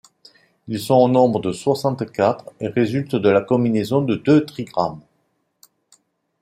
Ils sont au nombre de soixante-quatre et résultent de la combinaison de deux trigrammes.